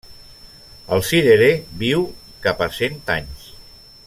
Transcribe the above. El cirerer viu cap a cent anys.